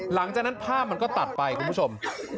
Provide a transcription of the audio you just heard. หลังจากนั้นภาพมันก็ตัดไปคุณผู้ชม